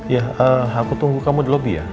ya aku tunggu kamu di lobby ya